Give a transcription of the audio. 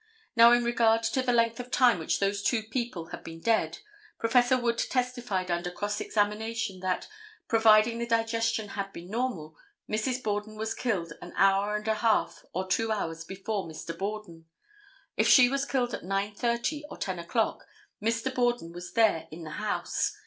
Now in regard to the length of time which those two people had been dead. Prof. Wood testified under cross examination that, providing the digestion had been normal, Mrs. Borden was killed an hour and a half or two hours before Mr. Borden. If she was killed at 9:30 or 10 o'clock, Mr. Borden was there in the house.